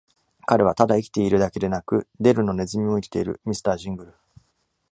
彼はまだ生きているだけでなく、Del のネズミも生きている、ミスタージングル。